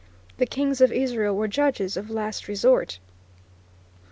The kings of Israel were judges of last resort.